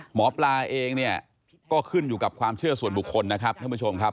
หมอปลาเองเนี่ยก็ขึ้นอยู่กับความเชื่อส่วนบุคคลนะครับท่านผู้ชมครับ